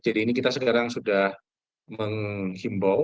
jadi ini kita sekarang sudah menghimbau